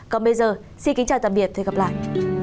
còn bây giờ xin kính chào tạm biệt và hẹn gặp lại